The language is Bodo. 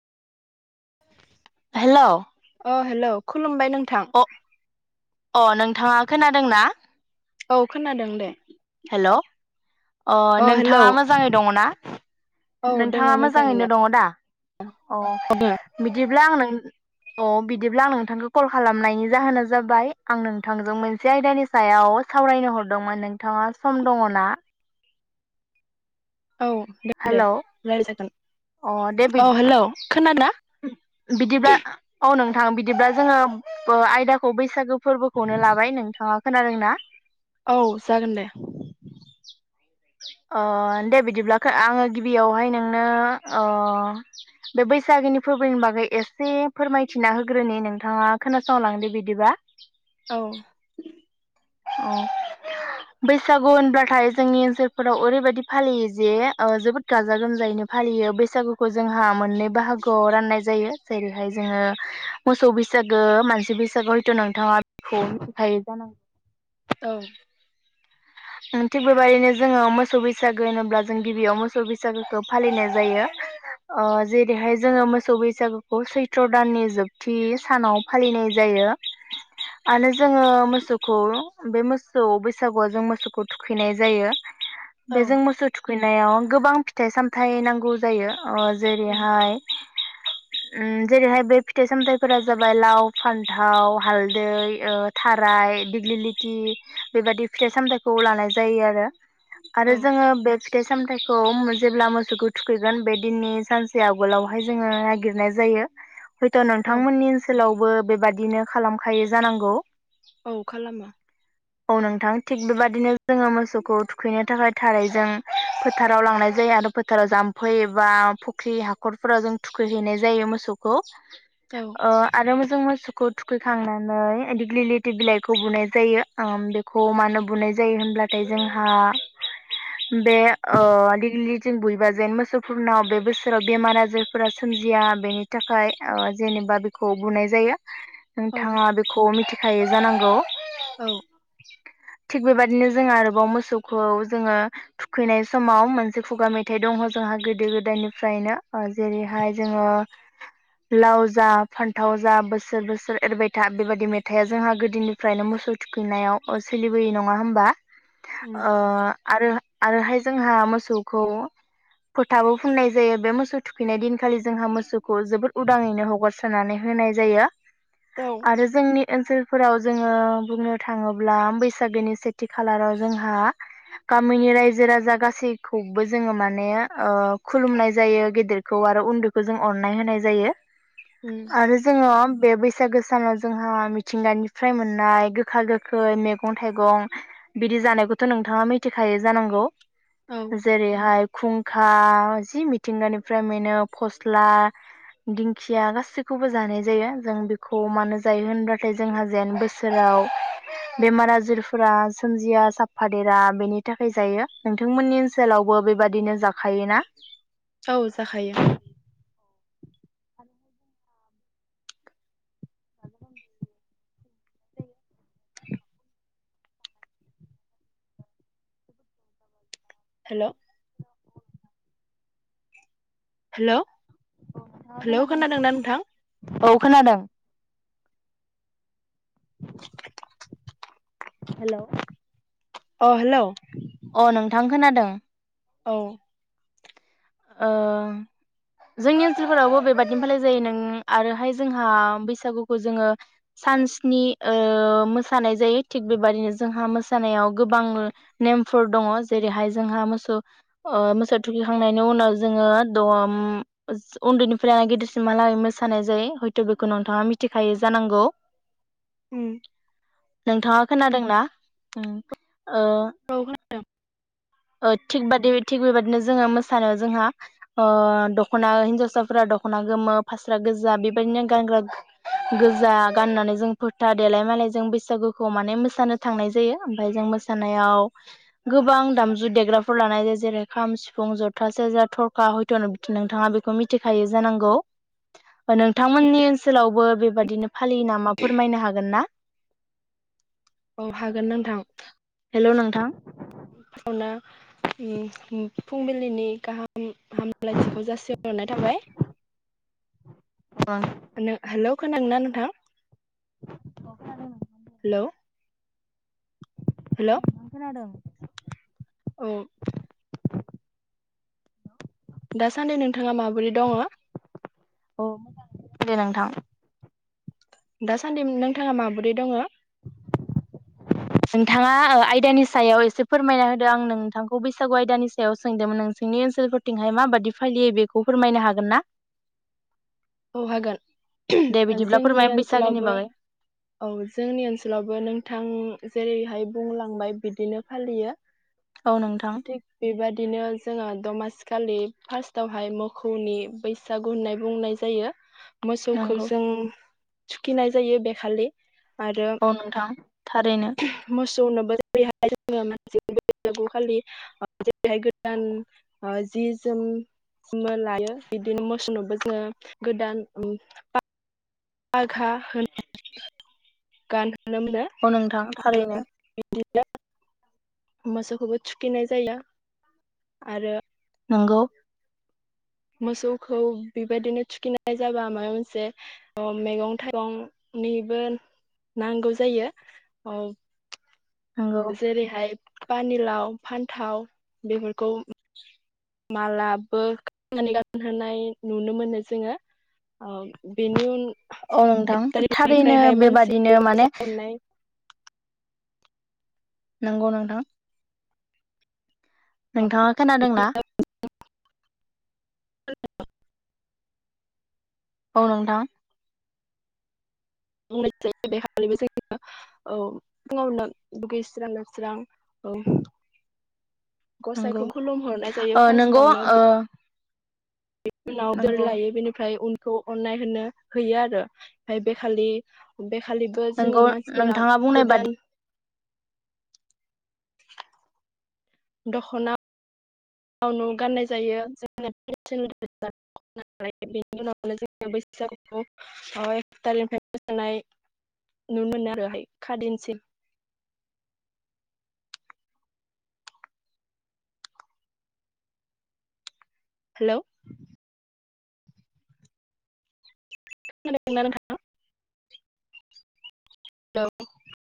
हेलौ अ हेलौ खलुम बाय नोंथां अ अ नोंथाङा खोनादों ना? औ खोनादों दे हेलौ अ नोंथाङा मोजाङै दङना औ नोंथाङा दोङो मोजाङैनो दङ दा अ औ बिदिब्ला आं नों अ बिदिब्ला आं नोंथांखौ कल खालामनायनि जाहोना जाबाय आं नोंथांजों मोनसे आयदानि सायाव सावरायनो हरदोंमोन नोंथाङा सम दङना? औ दोन दे हेलौ रायजागोन अ दे बि-बिदिबा औ नोंथां बिदिब्ला जोङो ओ आयदाखौ बैसागो फोरबोखौनो लाबाय नोंथाङा खोनादों ना औ जागोन दे ओ दे बिदिब्ला आङो गिबियावहाय नोंनो ओ बे बैसागिनि फोरबोनि बागै एसे फोरमायथिना होग्रोनि नोंथाङा खोनासंलां दो बिदिबा। औ ओ बैसागु होनब्लाथाय जोंनि ओनसोलफोराव ओरैबायदि फालियो जे जोबोद गाजा गोमजायैनो फालियो बैसागुखौ जोंहा मोननै बाहागोआव राननाय जायो जेरैहाय जोङो मोसौ बैसागो मानसि बैसागो हयथ' नोंथाङा बेखौ मिथिखायो जानांगौ। औ थिग बेबायाददिनो जोङो मोसौ बैसागो होनोब्ला जों गिबियाव मोसौ बैसागोखौ फालिनाय जायो जेरैहाय जोङो मोसौ बैसागुखौ सैथ्र' दाननि जोबथि सानाव फालिनाय जायो आरो जोङो मोसौखौ बे मोसौ बैसागुआ जों मो। सुखौ थुखैनाय जायो। औ बेजों मोसौ थु सखैनायाव गोबां फिथाइ सामथायाइ नांगौ जायो। अ उम जेरैहाय ओम जेरैहाय बे फिथाइ सामथाइफोरा जाबाय लाव फान्थाव हालदै ओ थाराय दिग्लिलिथि बेबादि फिथाइ सामथाय खौ लानाय जायो आरो आरो औ जोङो बे फिथाइ सामथायाइखौ जेब्ला मोसौखौ थुखैगोन बे दिननि सानसे आगोलावहाय जोङो नागिरनाय जायो। हयथ' औ नोंथांमोननि ओनसोलाव बो बेबादिनो खालामखायो जानांगौ। औ खालामो औ नोंथां थिग बेबाद बिदिनो जोङो मोसौखौ थुखैनो थाखाय थारैजों फोथाराव लांनाय जायो आरो फोथाराव जाम्फै बा फुख्रि हाखरफोराव जों थुखैहैनाय जायो मोसौखौ औ अ आरो [unintelligible] खौ थुखैखांनानै दिग्लिलिथि बिलाइखौ बुनाय जायो ओम बेखौ मानो बुनाय जायो जायो होनब्लाथाय जोंहा बे ओ [unintelligible] जों बुयोबा जेन मोसौफोरनाव बे बोसोराव बेमार आजारफोरा सोमजिया बेनि थाखाय ओ जेनेबा बेखौ बुनाय जाया। औ नोंथाङा बेखौ मिथि खायो जानांगौ। औ थिग बेबायदिनो जों आरोबाव मोसौखौ जोङो थुखैनाय समाव मोनसे खुगा मेथाइ दङ जोंहा गोदो गोदायनिफ्रायनो ओ जेरैहाय जोङो लाव जा फान्थाव जा बोसोर बोसोर एरबाय था बेबायदि मेथाइआ जोंहा गोदोनिफ्रायनो मोसौ थुखैनायाव ओ सोलि [unintelligible] नङा होमबा उम ओ आरो आरोहाय जोंहा मोसौखौ फोथाबो फुननाय जायो बे मोसौ थुखैनाय दिनखालि जोंहा मोसौखौ जोबोद उदाङैनो हगारस्रानानै होनाय जायो। औ आरो जोंनि ओनसोलफोराव जोङो बुंनो थाङोब्ला बै बैसागोनि सेथि खालाराव जोंहा गामिनि रायजो राजा गासैखौबो जोङो माने ओ खुलुमनाय जायो। गेदेरखौ आरो उन्दैखौ जों अननाय होनाय जायो। उम आरो जोङो बे बैसागो सानाव जोंहा मिथिंगानिफ्राय मोननाय गोखा गोखै मेगं मैगं थाइगं बिदि जानायखौथ' नोंथाङा मिथिखायो जानांगौ। औ जेरै हाय खुंखा जि मिथिंगानिफ्राय मोनो फस्ला दिंखिया गासैखौबो जानाय जायो जों बेखौ मानो जायो होनबाथाय जोंहा जेन बोसोराव बेमार आजारफोरा सोमजिया साफादेरा बेनि थाखाय जायो। नोंथांमोननि ओनसोलावबो बेबादिनो जाखायोना? औ जाखायो। [unintelligible] हेलौ हेलौ औ नोंथाङा हेलौ खोनादोंना नोंथां? औ खोनादों [unintelligible] हेलौ अ हेलौ नोंथां खोनादों औ ओ जोंनि ओनसोलफोरावबो बेबादिनो फालिनाय जायो नों आरोहाय जोंहा बैसागुखौ जोङो सान स्नि ओ मोसानाय जायो थिग बेबादिनो जोंहा मोसानायाव गोबां नेमफोर दङ जेरैहाय जोंहा मोसौ ओ मोसौ थुखैखांनाय बेनि उनाव जोङो द उन्दैनिफ्राय गिदिरसिमहालागै मोसानाय जायो हयथ' बेखौ नोंथाङा मिथिखायो जानांगौ उम नोंथाङा खोनादोंना उम ओ [unintelligible] ओ थिग बादि थिग बेबादिनो जोङो मोसानो जोंहा ओ दख'ना हिन्जावसाफोरा दख'ना गोमो फास्रा गोजा बेबायदिनो गानग्रा गोजा गाननानै जों फोथा देलाय मालाय जों बैसागुखौ माने मोसानो थांनाय जायो ओमफाय जों मोसानायाव गोबां दामजु जु देग्राफोर लानाय जायो जेरै खाम सिफुं जथा सेरजा थरखा हयथ' नोंथाङा बेखौ मिथिखायो जानांगौ। नोंथांमोननि ओनसोलावबो बेबादिनो फालियो नामा फोरमायनो हागोन ना? औ हागोन नोंथां। हेलौ नोंथां खावना उम उम फुंबिलिनि गाहाम हामलायथिखौ जासिरनाय थाबाय। हेनो हेलौ खोनादों ना नोंथां हेलौ अ हेलौ नोंथां खोनादों? औ दासान्दि नोंथाङा माबोरै दङ औ मोजाङैनो नो नोंथां दासान्दि नोंथाङा माबोरै दङ [inaudible] नोंथाङा ओ आयदानि सायाव एसे फोरमायना होदों आं नोंथांखौ बैसागु आयदानि सायाव सोंदोंमोन नोंसोरनि ओनसोलफोरथिंहाय माबायि फालियो बेखौ फोरमायनो हागोन ना? औ हागोन दे बिदिब्ला जोंनि फोरमाय [unintelligible] बैसागोनि ओनसोलावबो बागै औ जोंनि ओनसोलावबो नोंथां जेरैहाय बुंलांबाय बिदिनो फालियो औ नोंथां थिग बेबादि बिदिनो जोङो दमासिखालि फार्स्टावहाय मोखौनि बैसागु होननाय बुंनाय जायो मोसौखौ नंगौ जों थुखिनाय जायो बेखालि आरो औ नोंथां थारै बेनो मोसौनोबो जेरैहाय जोङो मानसि बैसागुखालि जेरैहाय गोदान जि जोम लायो बिदिनो मोसौनोबो जोङो गोदान ओम आधा होन गान औ नोंथां थारैनो [unintelligible] मोसौखौबो थुखिनाय जायो आरो नंगौ मोसौखौ बेबायदिनो थुखिनाय जाबा माबा मोनसे मैगं थाइगंनिबो नांगौ जायो औ नंगौ जेरै हाय पानिलाव फान्थाव बेफोरखौ मालाबो ख गोनहोनाय नुनो मोनो जोङो बेनि उन औ नोंथां एक थारैनो तारिखनिफ्रायहाय बेबादिनो मानसि माने जनाय नांगौ नोंथां नोंथाङा खोनादोंना [unintelligible] औ नोंथां बुं जायो बेबो जो औ फुङावनो ओ दुगैस्रां लोबस्रां नंगौ गसाइखौ खुलुमहरनाय जायो ओ नंगौ फार्स्टावनो ओ उनाव दोर नंगौ लायो बेनिफ्राय उन खौ अननाय होनो होयो आरो ओमफाय बेखालि खालिबो नंगौ जोङो मानसिफोरा नोंथाङा बुंनाय बादि गोदान दखना [inaudible] औ गाननाय जायो जों बेनि उनाव जों बैसागु [inaudible] एक टारिकनिफ्राय मोसानाय नुनो मोनो आरो खाददिनसिम हेलौ खोनादों ना नोंथां औ